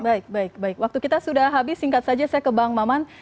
baik baik waktu kita sudah habis singkat saja saya ke bang maman